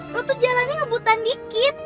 lo tuh jalannya ngebutan dikit